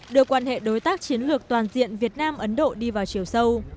đưa quan hệ đối tác chiến lược toàn diện việt nam ấn độ đi vào chiều sâu